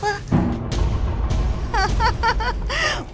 yes suka sama anak tante